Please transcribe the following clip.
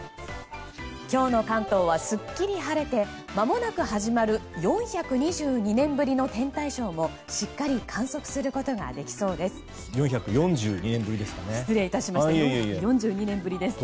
今日の関東はすっきり晴れてまもなく始まる４２２年ぶりの天体ショーもしっかり観測することができそうです。